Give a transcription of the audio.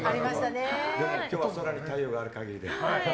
でも今日は「空に太陽がある限り」で。